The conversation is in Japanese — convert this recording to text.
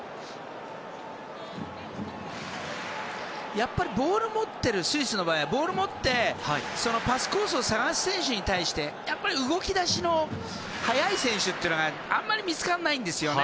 やっぱりスイスの場合はボールを持ってパスコースを探す選手に対して動き出しの早い選手というのがあまり見つからないんですよね。